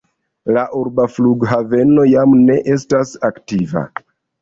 La urba flughaveno jam ne estas aktiva.